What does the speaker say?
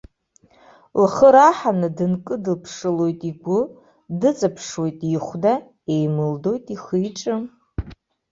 Лхы раҳаны дынкыдыԥшылоит игәы, дыҵаԥшуеит ихәда, еимылдоит ихы-иҿы.